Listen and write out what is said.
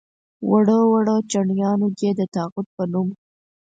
وړو وړو چڼیانو دې د طاغوت په نوم.